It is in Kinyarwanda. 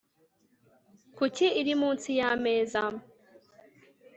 kuki iri munsi yameza